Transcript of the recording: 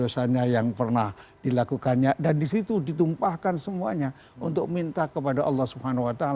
dosanya yang pernah dilakukannya dan disitu ditumpahkan semuanya untuk minta kepada allah swt